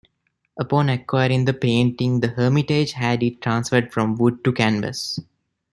Upon acquiring the painting the Hermitage had it transferred from wood to canvas.